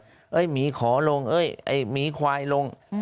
หมีขอลงเอ้ยไอ้หมีควายลง